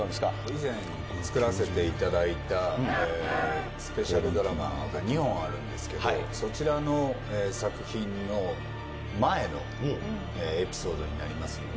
以前作らせていただいたスペシャルドラマが２本あるんですけどそちらの作品の前のエピソードになりますので。